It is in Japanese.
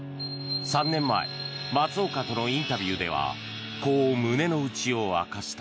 ３年前松岡とのインタビューではこう胸の内を明かした。